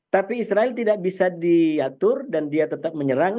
tapi israel tidak bisa diatur dan dia tetap menyerang